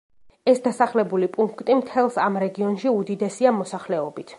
ეს დასახლებული პუნქტი, მთელს ამ რაიონში უდიდესია მოსახლეობით.